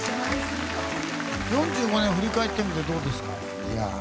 ４５年を振り返ってみてどうですか？